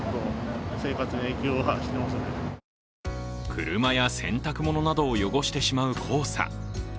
車や洗濯物などを汚してしまう黄砂。